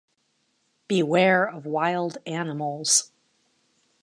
Beware of wild animals.